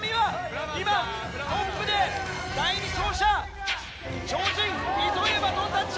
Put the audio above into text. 今トップで第２走者超人糸井へバトンタッチ！